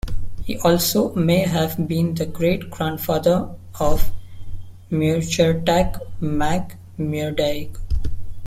He also may have been the great-grandfather of Muirchertach mac Muiredaig.